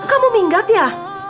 kamu minggat ya